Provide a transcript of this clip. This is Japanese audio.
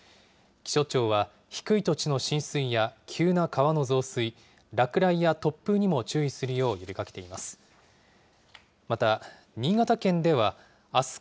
気象庁は低い土地の浸水や急な川の増水、落雷や突風にも注意するよう呼びかけています。